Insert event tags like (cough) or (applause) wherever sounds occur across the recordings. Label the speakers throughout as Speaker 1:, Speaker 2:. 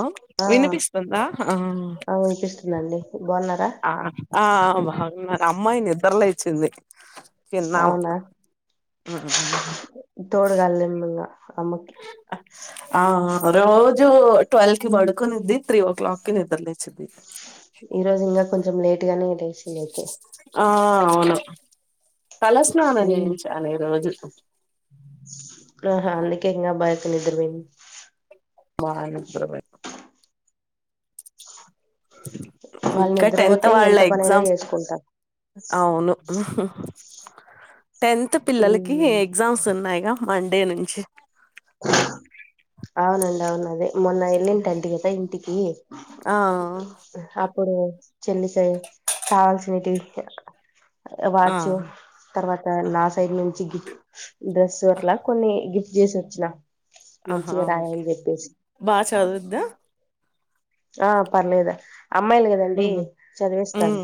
Speaker 1: ఆ వినిపిస్తుందా ఆ
Speaker 2: ఆ వినిపిస్తుందండి బాగున్నారా
Speaker 1: ఆ ఆ బాగున్నారు అమ్మాయి నిద్రలేచ్చింది తిన్నము
Speaker 2: అవునా
Speaker 1: హు
Speaker 2: తోడుగాలేం ఇంగా అమ్మకి
Speaker 1: ఆ ఆ రోజ్ జు ట్వెల్వ్ కి పడుకునింది త్రీ ఓ క్లాక్ కి నిద్ర లేచిద్ది
Speaker 2: ఈ రోజు ఇంకా కొంచెం లేటు గానే తెసింది
Speaker 1: ఆ అవును తలస్నానం
Speaker 2: ఉమ్
Speaker 1: చేయించాలి ఈ రోజు
Speaker 2: ఆహా అందుకే ఇంగ భయకు నిద్రపోఇంది
Speaker 1: మా నిద్ర పో
Speaker 2: వాళ్ళు
Speaker 1: ఇంకా టెన్త్
Speaker 2: నిద్రపోతే
Speaker 1: వాళ్ళ
Speaker 2: ఎంత పనైనా
Speaker 1: ఎగ్జామ్
Speaker 2: చేసుకుంటా
Speaker 1: అవును టెన్త్ పిల్లలకి
Speaker 2: ఉమ్
Speaker 1: ఎగ్జామ్స్ ఉన్నాయిగా మండే నుంచి
Speaker 2: అవునండి అవును అదే మొన్న ఎల్లింటంటి కదా ఇంటికి
Speaker 1: ఆ
Speaker 2: అప్ ప్పుడు చెల్లిస కావాల్సినేటివి
Speaker 1: ఆ
Speaker 2: వాచ్ తర్వాత నా సైడ్ నుంచి గిఫ్ డ్రెస్ అట్లా కొన్ని గిఫ్ చేస్ వచ్చిన
Speaker 1: ఆహా
Speaker 2: మంచిగా
Speaker 1: ఓకే
Speaker 2: రాయని చెప్పేసి
Speaker 1: బాగా చదువుద్దా
Speaker 2: ఆ పర్లేదు అమ్మాయిలు కదండి
Speaker 1: ఉమ్.
Speaker 2: చదివిస్తాను
Speaker 1: ఉమ్.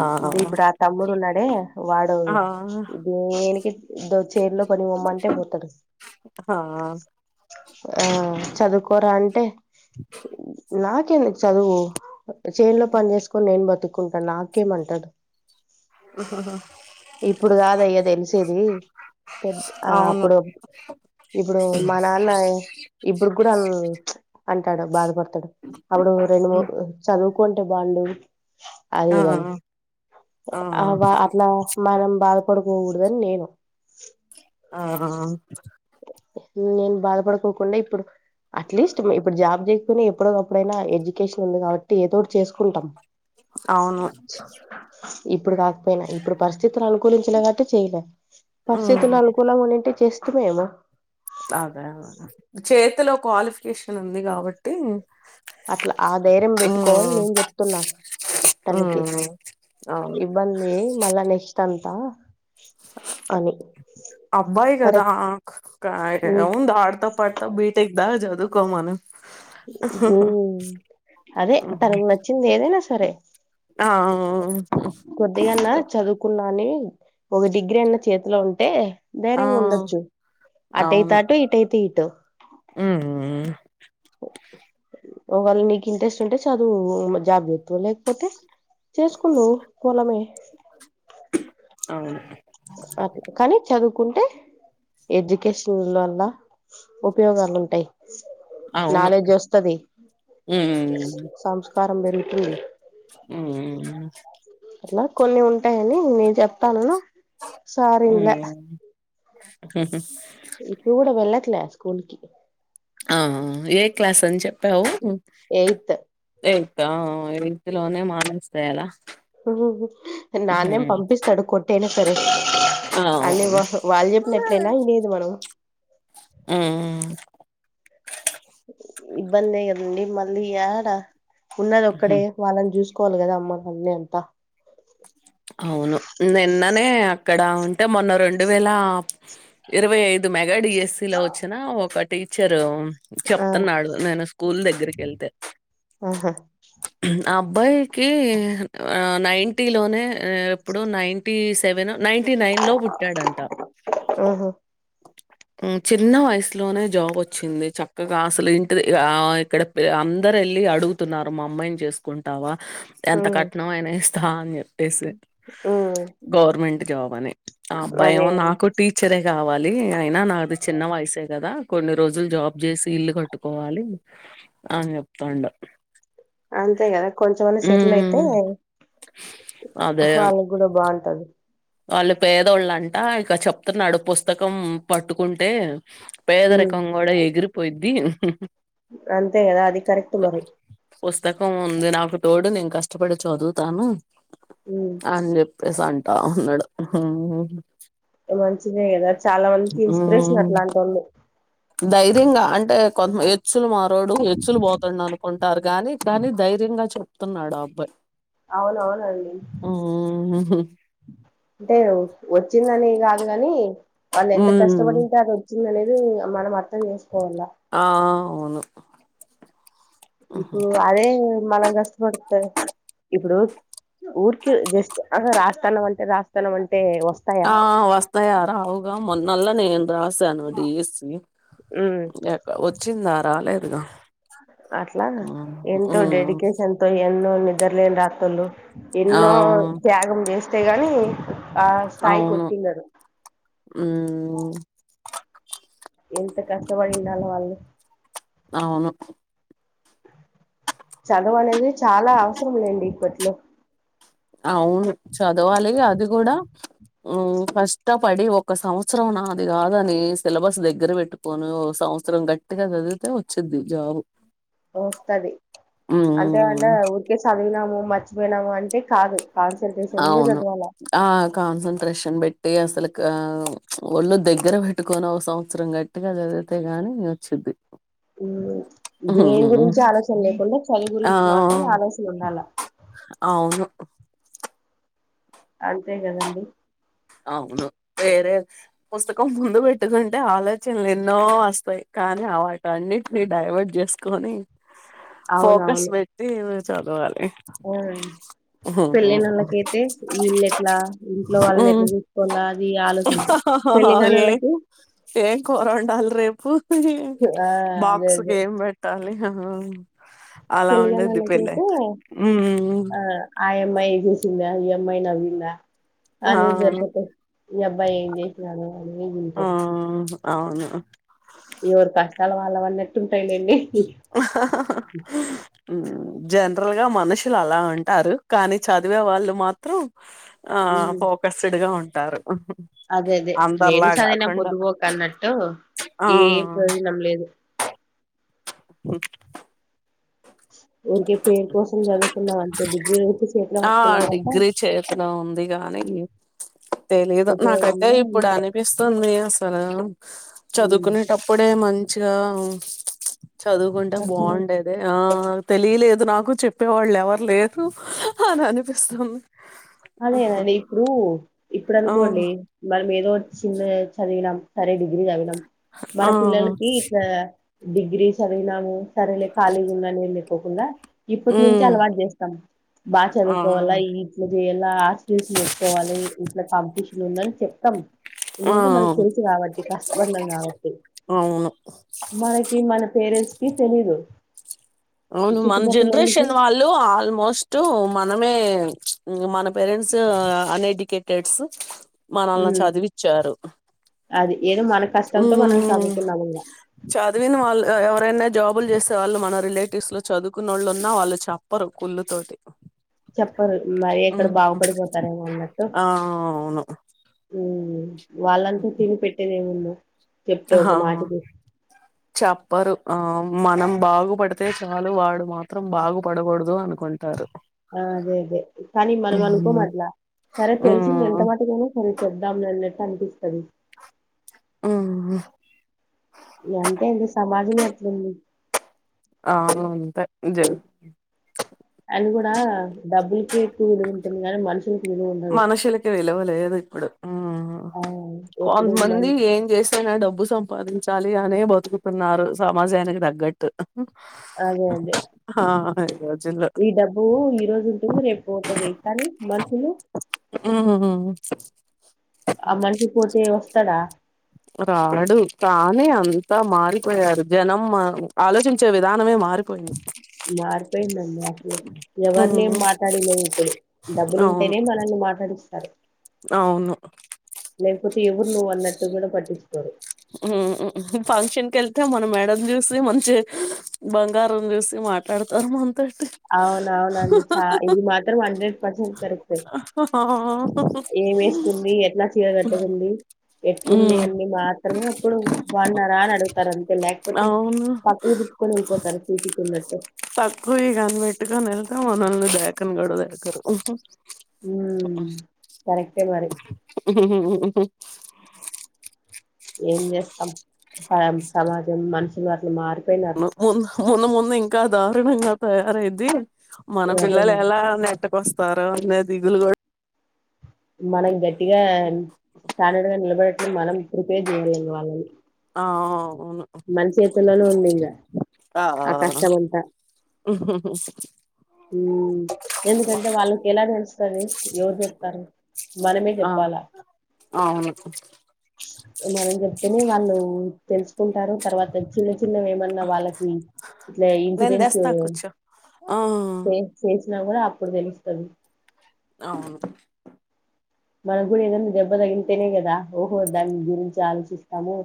Speaker 1: ఆ
Speaker 2: ఇది ఇప్పుడు ఆ తమ్ముడు ఉన్నాడే వాడు
Speaker 1: ఆ
Speaker 2: దేనికి చేరులో పనికిపోమ్మంటే పోతాడు
Speaker 1: ఆ
Speaker 2: ఆ చదువుకోరా అంటే నాకే చదువు చేనులో పని చేసుకొని నేను బతుకుంటాను నాకేమంటదు
Speaker 1: ఆఓహహ
Speaker 2: ఇప్పుడు కాదయ్యా తెలిసేది పెద్ద ఆ
Speaker 1: అవును
Speaker 2: అప్పుడు ఇప్పుడు మా నాన్న ఇప్పుడు కూడా అంటాడు బాధపడతాడు అప్పుడు రెండు మూ
Speaker 1: ఉమ్
Speaker 2: చదువుకుంటే బాగుడు
Speaker 1: ఆ
Speaker 2: అదిదని ఆ వా అట్లా మనం బల్ కొడుకుకూడదని నేను
Speaker 1: ఆ
Speaker 2: నేను బాధపడుకోకుండా ఇప్పుడు అట్లీస్ట్ ఇప్పుడు జాబ్ చేయకకునే ఎప్పుడ ఒకప్పుడైనా ఎడ్యుకేషన్ ఉంది కాబట్టి ఏదోటి చేసుకుంటాం
Speaker 1: అవును
Speaker 2: ఇప్పుడు కాకపోయినా ఇప్పుడు పరిస్థితులు అనుకు కులించలే కాట్టి చేయలే
Speaker 1: ఓ
Speaker 2: ంటే చేస్తుమేమో
Speaker 1: అదే అద చేతిలో క్వాలిఫికేషన్ ఉంది కాబట్టి
Speaker 2: అట్లా ఆ ధైర్యం పెట్టుకోవని నేను చెప్తున్నా తనకి
Speaker 1: ఉమ్ అవును
Speaker 2: ఇబ్బంది మళ్ళ నెస్ట్ అంత అని
Speaker 1: అబ్బాయి కదా
Speaker 2: కరెక్ట్ ఉమ్
Speaker 1: ఉంద ఆడతా పాడతా బీటెకి దా జ ఎ కను
Speaker 2: ఉ అదే
Speaker 1: ఉమ్,
Speaker 2: తనకి నచ్చింది ఏదైనా సరే
Speaker 1: ఆ
Speaker 2: కొద్దిగాన్న చదువుకున్నాని ఒక డిగ్రీ అయిన్న చేతిలో ఉంటే
Speaker 1: ఆ
Speaker 2: దేరండొచ్చు
Speaker 1: అవును
Speaker 2: ఆటైతేాట ఇటైతే ఇట
Speaker 1: ఉమ్
Speaker 2: ఒకవాళ్ళ నీకు ఇంట్రెస్ట్ ఉంటే చ చదువు జాబ్ చెతు లేకపోతే చేసుకున్నావు మూలమే
Speaker 1: అవును
Speaker 2: అ కానీ చదువు కుంటే ఎడ్యుకేషన్ వల్ల ఉపయోగాలు ఉంటాయి
Speaker 1: అవును
Speaker 2: నాలెడ్జ్ వస్తుంది
Speaker 1: ఉమ్
Speaker 2: సంస్కారం పెరుగుతుంది
Speaker 1: ఉమ్ ఉమ్
Speaker 2: అట్లా కొన్ని ఉంటాయని నేను చెప్తానన్నా సార్ ఇన్లే
Speaker 1: ఉహూ హు
Speaker 2: ఇప్పు కూడా వెళ్ళట్లే స్కూల్కి
Speaker 1: ఆ ఏ క్లాస్ అని చెప్పావు టెన్త్ ఆ ఎయిత్ లోనే మానేస్తే ఎలా
Speaker 2: ఉహూ హు నన్నేం పంపిస్తస్తాడు కొట్టయిన సరే
Speaker 1: ఆ
Speaker 2: అని వాళ్ళు చెప్పినట్లయినా ఇ లేదు మనం
Speaker 1: ఉహు
Speaker 2: ఇబ్బంది కదండి మళ్ళీ ఆడ ఉన్నది
Speaker 1: హుహు.
Speaker 2: ఒక్కడే వాళ్ళని చూసుకు కోల్గాద అమ్మ కే అంత
Speaker 1: మే అక్కడ ఉంటే మొన్న రెండు వేల ఇరవై ఐదు మే ఏ డి ఎస్ సి లో వచ్చినా ఒక టీచరు
Speaker 2: ఆ
Speaker 1: చెప్తున్నాడు నేను స్కూల్ దగ్గరికి వెళ్తే
Speaker 2: ఆహా
Speaker 1: ఉహూ ఆ అబ్బాయికి నైటీ లోనే ఎప్పుడు నైన్టీ సెవెన్ నైన్టీ నైన్ లో పుట్టాడంట
Speaker 2: ఆహా
Speaker 1: చిన్న వయసులోనే జాబ్ వచ్చింది చక్కగా అసలు ఇంటి ఆ ఇక్కడ అందర వెళ్ళి అడుగుతున్నారు మా అమ్మాయిని చేసుకుంటావా ఎంత
Speaker 2: ఉమ్
Speaker 1: కఠనంమయిన ఇస్తా అని చెప్పేసి
Speaker 2: ఉమ్
Speaker 1: గవర్నమెంట్ జాబ్ అని ఆ
Speaker 2: అదే
Speaker 1: భయంము నాకు టీచరే కావాలి అయినా నాది చిన్న వయసే కదా కొన్ని రోజులు జాబ్ చేసి ఇల్లు కట్టుకోవాలి ఆ చెప్తాండు
Speaker 2: అంతే కదా కొంచెమన్నా సెటిల్ అయితే
Speaker 1: హ్మ్. అదే
Speaker 2: వాళ్ళకి కూడా బాగుంటది
Speaker 1: వాళ్ళు పేదోళ్ళంట ఇక చెప్తున్నాడు పుస్తకం పట్టుకుంటే
Speaker 2: ఉమ్
Speaker 1: పేదరికం కూడా ఎగిరిపోయిద్ది ఉహూ హు
Speaker 2: అంతే కదా అది కరెక్ట్ మరి
Speaker 1: పుస్తకం ఉంది నాకు తోడు నేను కష్టపడి చదువుతాను
Speaker 2: ఉమ్
Speaker 1: అని చెప్ ఫల్స్ అంటా ఉన్నాడు ఉహూ హు
Speaker 2: మంచిదే కదా చాలా మందికి ఇన్స్పిరేషన్ అట్లాంటోళ్లు
Speaker 1: ధైర్యంగా అంటే కొంత హెచ్చులు మారోడు హెచ్చులు పోతుడు అనుకుంటారు గాని కానీ ధైర్యంగా చె తున్నాడు ఆ అబ్బాయి
Speaker 2: అవునవునండి అంటే వచ్చిందని కాదు కాని వాళ్ళు ఎంత
Speaker 1: ఉమ్
Speaker 2: కష్టపడింటే అది వచ్చింది అనేది మనం అర్థం చేసుం
Speaker 1: ఆ అవును
Speaker 2: ఇప్పుడు అదే మనం గుడితే ఇప్పుడు ఊరికే జస్ట్ ఆహా రాస్తాన అంటే రాస్తానంటే
Speaker 1: ఆ వస్తాయా రావుగా మొన్నల్లా నేను రాసాను డీఎసి
Speaker 2: ఉమ్
Speaker 1: ఎక వచ్చిందా రాలేదుగా
Speaker 2: అట్లా
Speaker 1: ఉమ్
Speaker 2: ఎంతో
Speaker 1: ఉమ్,
Speaker 2: డెడికేషన్ తో ఎన్నో నిద్రలేని రాత్రుళ్ళు
Speaker 1: ఆ
Speaker 2: ఎన్నో త్యాగం చేస్తే గాని ఆ స్థాయికి వచ్చుండడు
Speaker 1: ఉహు
Speaker 2: ఎంత కష్టపడి ఉండాలే వాళ్ళు
Speaker 1: అవును
Speaker 2: చదువు అనేది చాలా అవసరం లేండి ఇప్పట్లో
Speaker 1: అవును చదవాలి అది కూడా కష్టపడి ఒక సంవత్సరం నాది కాదని సిలబస్ దగ్గర పెట్టుకొని సంవత్సరం గట్టిగా చదివితే వచ్చిది జాబ్
Speaker 2: వస్తది అంతే అంటే
Speaker 1: మ్
Speaker 2: ఉఊరికే చదివినాము మర్చిపోయినాము అంటే కాదు కాన్సన్ట్రేషన్ గా
Speaker 1: అవును
Speaker 2: చదవాలా
Speaker 1: ఆ కాన్సన్ట్రేషన్ బట్టి అ అసలు ఒళ్ళు దగ్గర పెట్టుకొని ఒక సంవత్సరం గట్టిగా చదివితే ని వచ్చిద్ది
Speaker 2: హు దేని గురించి ఆలోచన లేకుండా చదువు గురించి మాత్రమే ఆలోచన ఉండాల
Speaker 1: అవు
Speaker 2: అంతే కదండి
Speaker 1: అవును వేరే పుస్తకం ముందు పెట్టుకుంటే ఆలోచనలు ఎన్నో వస్తాయి కానీ ఆ వాటన్నిటిని డైవర్ట్ చేసుకొని ఫోకస్
Speaker 2: అవునవును
Speaker 1: పెట్టి ఊ చదవాలి
Speaker 2: ఆ పెళ్ళినళ్ళకైతే వీళ్ళు ఎట్లా ఇంట్లో వాళ్లు
Speaker 1: ఉమ్
Speaker 2: ఎట్లా లా అది ఆలోచి పెళ్లిగని
Speaker 1: ఏ
Speaker 2: వాళ్ళకి
Speaker 1: ఏం కూర వండాలి రేపు
Speaker 2: ఆ అదే
Speaker 1: బాక్స్
Speaker 2: అదే
Speaker 1: ఏం పెట్టాలి అ అలా ఉండద్ది పెళ్ళ
Speaker 2: పెళ్లిగానోళ్ళకైతే
Speaker 1: ఉహు హు
Speaker 2: ఆ ఆ అమ్మాయి చూసిందా ఈ అమ్మాయి నవ్విందా
Speaker 1: ఆ
Speaker 2: అనే జరపిపోతాది ఈ అబ్బాయి ఏం చేసినాడు చదివే
Speaker 1: ఆ
Speaker 2: ఉంటది
Speaker 1: అవును
Speaker 2: ఎవరి కష్టాలు వాళ్ళవన్నీ ఎట్టు ఉంటాయిలేండి
Speaker 1: (inaudible) హు జనరల్ గా మనుషులు అలా అంటారు కానీ చదివే వాళ్ళు మాత్రం ఆ ఫోకస్డ్ గా ఉంటారు
Speaker 2: అదే అదే నేను
Speaker 1: అందరిలా
Speaker 2: సదైన
Speaker 1: కాకుండా
Speaker 2: పొద్దుపో క అన్నట్టు
Speaker 1: ఆ
Speaker 2: ఏం ప్రయోజనం లేదు
Speaker 1: హ
Speaker 2: ఊరికే పేరు కోసం చదువుకున్నాం అంటే డిగ్రీలొస్తే చేతిలో పట్టుకున్నాం పట్ట
Speaker 1: పనైంది తెలీదు నాకైతే
Speaker 2: ఉన్న
Speaker 1: ఇప్పుడు అనిపిస్తుంది అసలు
Speaker 2: ఉమ్
Speaker 1: చదువుకునేటప్పుడే మంచి చిగా చదువుకుంటే
Speaker 2: అసలు
Speaker 1: బాగుండేది ఆ తెలీలేదు నాకు చెప్పేవాళ్ళు ఎవరు లేరు అని అనిపిస్తుంది
Speaker 2: అదే అదే ఇప్పుడు ఇప్పుడు
Speaker 1: ఆ
Speaker 2: అనుకోండి మనమేదో చిన్న చదివినాం సరే డిగ్రీ చదివినాం మన
Speaker 1: ఆ
Speaker 2: పిల్లలకి ఇట్లా డిగ్రీస్ చదివినాము సరేలే ఖాళీగా ఉందనే లేకోకుండా ఇప్పటి నుంచి
Speaker 1: హ్మ్
Speaker 2: అలవాటు చేస్తాం బాగా
Speaker 1: ఆ
Speaker 2: చదువుకోవాలా ఈ ఇట్లు ఎలా ఆ స్కిల్స్ నేర్చుకోవాలి ఇంట్లో కాంపిటీషన్ ఉందని చెప్తాం
Speaker 1: ఆ
Speaker 2: ఎందుకంటే మనకు తెలుసు కాబట్టి కష్టపడినాం కాబట్టి
Speaker 1: అవును
Speaker 2: మనకి మన పేరెంట్స్ కి తెలీదు
Speaker 1: అవును మన
Speaker 2: చుట్టుపక్కల వాళ్ళకి
Speaker 1: జనరేషన్ వాళ్ళు ఆల్మోస్ట్ మనమే ఇంక మన పేరెంట్స్ అన్ఎడ్యుకేటెడ్స్ మనల్ని
Speaker 2: ఉమ్
Speaker 1: చదివిచ్చారు
Speaker 2: అది ఏదో మన కష్టంతో మనం
Speaker 1: ఉమ్మ్
Speaker 2: చదువుతున్నాము ఇంగ
Speaker 1: చదివిన వాళ్ ఎవరైన జాబులు చేసే వాళ్ళు మన రిలేటివ్స్ లో చదువుకున్న వాళ్ళు ఉన్నా వాళ్ళు చెప్పరు కుళ్ళు తోటి
Speaker 2: చెప్పరు మరి ఎక్కడ బాగుపడిపోతారేమో అన్నట్టు
Speaker 1: ఆ అవును
Speaker 2: వాళ్ళంతా తిని పెట్టేదమున్నా
Speaker 1: హా చెప్పరు ఆ మనం బాగుపడితే చాలు వాడు మాత్రం బాగుపడకూడదు అనుకుంటారు
Speaker 2: ఆ అదే అదే కానీ మనం
Speaker 1: హ్మ్
Speaker 2: అనుకోమట్లా సరే తెలిసింది ఎంత
Speaker 1: హ్మ్
Speaker 2: మటుకును సరె చెబ్దం లే అన్నట్టు అనిపిస్తది
Speaker 1: ఆ
Speaker 2: అంతేఅండి సమాజమే అట్లుంది
Speaker 1: ఆ అవును అంతే జ
Speaker 2: అది కూడా డబ్బులక ఎక్కువ విలువ ఉంటుంది గానీ మనుషుల
Speaker 1: మనుషులకి విలువ లేదు ఇప్పుడు ఉమ్
Speaker 2: ఆ ఎప్పుడు మన
Speaker 1: కొంతమంది ఏం చేస్తే నా డబ్బు సంపాదించు చాలి అనే బతుకుతున్నారు సమాజానికి తగ్గట్టు
Speaker 2: అదే అండి
Speaker 1: ఆ ఈ రోజుల్లో
Speaker 2: ఈ డబ్బు ఈరోజు ఉంటుంది రేపు పోతది కానీ మనుషులు
Speaker 1: ఊమ్
Speaker 2: అ మనిషి పోతే వస్తాడా
Speaker 1: రాడు తానే అంతా మారిపోయారు జనం ఆలోచించే విధానమే మా మారిపోయింది
Speaker 2: మారిపోయిందండి అసలు ఎవరినేమ్
Speaker 1: హ్మ్
Speaker 2: మాట్లాడలేము ఇప్పుడు డబ్బులు
Speaker 1: అవును
Speaker 2: ఉంటేనే మనల్ని మాట్లాడిస్తారు
Speaker 1: అవును
Speaker 2: లేకపోతే ఎవరు నువ్వు అన్నట్టు కూడా పట్టించుకోరు
Speaker 1: ఉ ఫంక్షన్ కెళ్తే మన మెడని చూసి మంచి బంగారం చూసి మాట్లాడుతాము
Speaker 2: అవునవునండి చ ఇది మాత్రం హండ్రెడ్ పర్సెంట్ కరెక్టే ఏం వేసుకుంది ఎట్లా చీర కట్టుకుంది ఎట్లుంది
Speaker 1: ఉమ్
Speaker 2: అన్ని మాత్రమే అప్పుడు బాగున్నారా అని అడుగుతారు అంతే లేకపోతే
Speaker 1: అవును
Speaker 2: పక్కకి తిప్పుకొని వెల్లిపోతారు చూసి చూడనట్టు
Speaker 1: కని పెట్టుకొని వెళ్కా మనళ్ళ దాకని గుడ దేకారు
Speaker 2: ఉమ్ కరెక్టే మరి
Speaker 1: హా హా
Speaker 2: ఏం చేస్తాం సమాజం మనిషి అట్ల మారి
Speaker 1: మున్ మున్న ముందు ముందూ ఇంకా దారుణంగా తయారైది మన
Speaker 2: అదే
Speaker 1: పిల్లలు
Speaker 2: మరి
Speaker 1: ఎలా నెట్టకొస్తారో అన్న దిగులు కూడా
Speaker 2: మనం గట్టిగా స్టాండర్డ్ గా నిలబడట్లు మనం ప్రిపేర్ చేయలని వాళ్ళని
Speaker 1: ఆ అవును
Speaker 2: మన చేతుల్లోనే ఉంది ఇంకా
Speaker 1: ఆ
Speaker 2: కష్టం అంతా
Speaker 1: ఉహుహు
Speaker 2: ఎందుకంటే వాళ్ళకి ఎలా తెలుస్తుంది ఎవరు చెప్తారు మనమే
Speaker 1: ఆ!
Speaker 2: చెప్పాలా
Speaker 1: అవును
Speaker 2: మనం చెప్తేనే వాళ్ళు తెలుసుకుంటారు తర్వాత చిన్న చిన్నవి ఏమన్నా వాళ్ళకి ఇట్ల
Speaker 1: నేను
Speaker 2: ఇన్సిడెన్స్
Speaker 1: తెస్తా కూర్చో ఆ
Speaker 2: చేసినా కూడా అప్పుడు తెలుస్తుంది
Speaker 1: అవును
Speaker 2: మనకు గుడ ఏదైన్నా దెబ్బ తగిలింటేనే కదా ఓహో దాని గురించి ఆలోచిస్త తము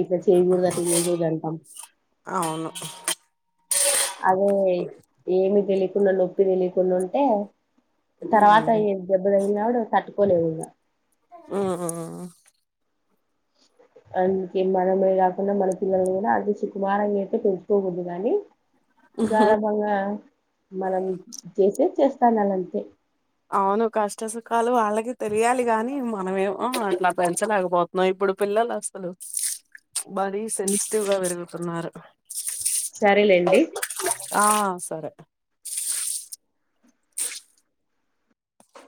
Speaker 2: ఇట్ల చేయకూడదు అట్లా చేకూదంటాం
Speaker 1: అవును
Speaker 2: అదే ఏమి తెలియకుండా నొప్పి తెలియకుండా ఉంటే తర్వాత
Speaker 1: మ్మ్
Speaker 2: దెబ్బలుయినప్పుడు తట్టుకోలేవు ఇగ
Speaker 1: ఆ ఆ
Speaker 2: అందుకే మనమే కాకుండా మన పిల్లల కూడా అతి సుకుమారంగా అయితే తెంచుకోకూడదు కానీ గారాబంగా మనం చేసే చేస్తా ఉండలే అంతే
Speaker 1: అవును కష్ట సుఖాలు వాళ్ళకి తెలియాలి గాని మనమేమ అట్లా పెంచలేకపోతున్నావు ఇప్పుడు ఇప్పుడు పిల్లలు అసలు మారీ సెన్సిటివ్ గా పెరుగుతున్నారు
Speaker 2: సరేలేండి
Speaker 1: ఆ సరే